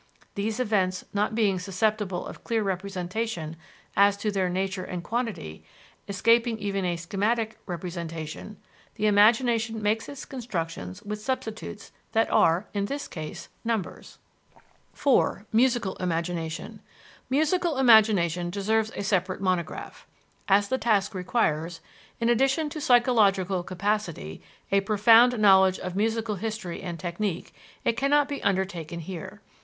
These events not being susceptible of clear representation as to their nature and quantity, escaping even a schematic representation, the imagination makes its constructions with substitutes that are, in this case, numbers. IV MUSICAL IMAGINATION Musical imagination deserves a separate monograph. As the task requires, in addition to psychological capacity, a profound knowledge of musical history and technique, it cannot be undertaken here.